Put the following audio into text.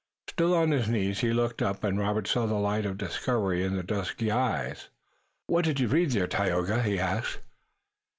Still on his knees, he looked up, and Robert saw the light of discovery in the dusky eyes. "What do you read there, Tayoga?" he asked.